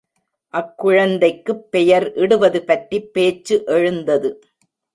அக்குழந்தைக்குப் பெயர் இடுவது பற்றிப் பேச்சு எழுந்தது.